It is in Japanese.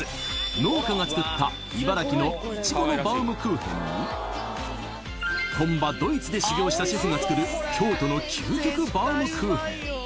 農家が作った茨城のイチゴのバウムクーヘンに本場ドイツで修業したシェフが作る京都の究極バウムクーヘン